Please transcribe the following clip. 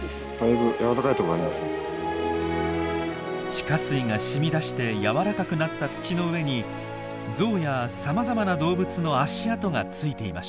地下水がしみ出して柔らかくなった土の上にゾウやさまざまな動物の足跡がついていました。